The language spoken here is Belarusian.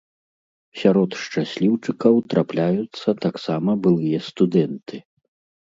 Сярод шчасліўчыкаў трапляюцца таксама былыя студэнты.